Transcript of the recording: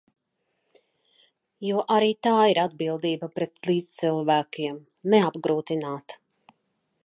Jo arī tā ir atbildība pret līdzcilvēkiem– neapgrūtināt.